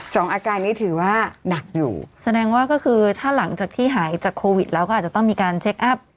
แสดงว่าก็คือถ้าหลังที่หายจากโควิดแล้วก็อาจจะต้องมีการเช็คอัพ